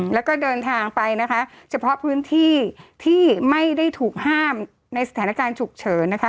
แล้วก็เดินทางไปนะคะเฉพาะพื้นที่ที่ไม่ได้ถูกห้ามในสถานการณ์ฉุกเฉินนะคะ